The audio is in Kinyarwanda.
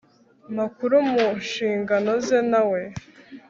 Makuru mu nshingano ze nawe